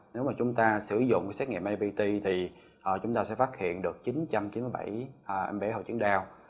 nếu mà chúng ta sử dụng cái xét nghiệm nipt thì chúng ta sẽ phát hiện được chín trăm chín mươi bảy em bé hội chứng đau